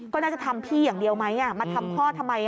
ก็น่าจะทำพี่อย่างเดียวไหมมาทำพ่อทำไม